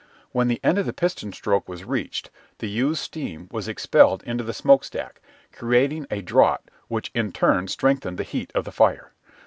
When the end of the piston stroke was reached the used steam was expelled into the smokestack, creating a draught which in turn strengthened the heat of the fire.